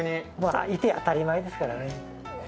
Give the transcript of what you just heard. いて当たり前ですからね。